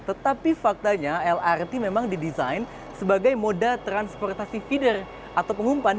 tetapi faktanya lrt memang didesain sebagai moda transportasi feeder atau pengumpan